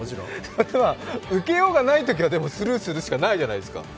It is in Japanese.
それは受けようがないときはスルーするしかないじゃないですか。